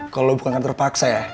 kalo lo bukan kan terpaksa ya